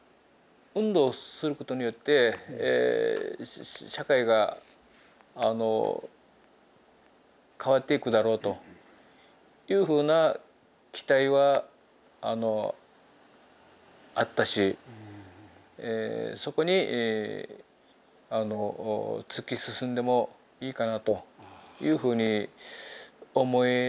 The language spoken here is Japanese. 運動することによって社会が変わっていくだろうというふうな期待はあったしそこに突き進んでもいいかなというふうに思えたんでね当時。